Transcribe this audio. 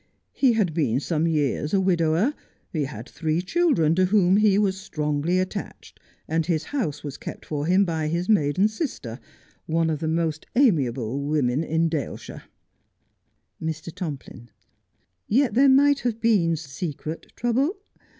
He had been some years a widower, he had three children to whom he was strongly attached, and his house was kept for him by his maiden sister, one of the most amiable women in Daleshire. Mr. Tomplin : Yet there might have been secret trouble.